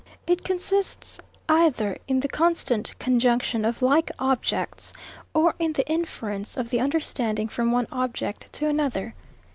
It consists either in the constant conjunction of like objects, or in the inference of the understanding from one object to another.